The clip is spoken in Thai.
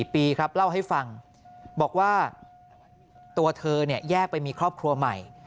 ปีครับเล่าให้ฟังบอกว่าตัวเธอแยกไปมีครอบครัวใหม่